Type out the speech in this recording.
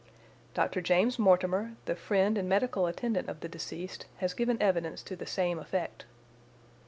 Dr. James Mortimer, the friend and medical attendant of the deceased, has given evidence to the same effect.